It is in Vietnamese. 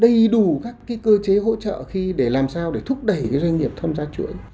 đầy đủ các cơ chế hỗ trợ khi để làm sao để thúc đẩy doanh nghiệp tham gia chuỗi